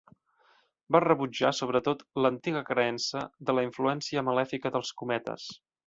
Va rebutjar sobretot l'antiga creença de la influència malèfica dels cometes.